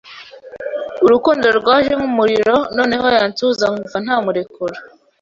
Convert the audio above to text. Urukundo rwaje nk’umuriro, noneho yansuhuza nkumva ntamurekura